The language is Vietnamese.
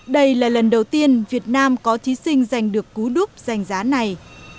đây là lần đầu tiên việt nam có thí sinh giành được cú đúc danh giá này